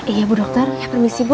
iya ibu dokter permisi bu